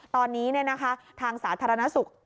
ตอนนี้ทางสาธารณสุข